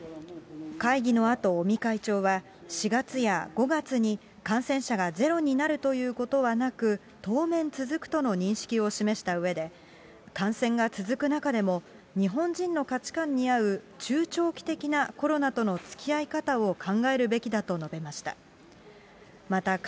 会議のあと尾身会長は、４月や５月に感染者がゼロになるということはなく、当面続くとの認識を示したうえで、感染が続く中でも、日本人の価値観に合う中長期的なコロナとのつきあい方を考えるべきだと述べました。